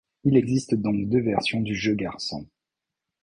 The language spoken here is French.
Il existe donc deux versions du jeu Garçon!